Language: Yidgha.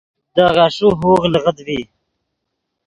دے غیݰے ہوغ لیغت ڤی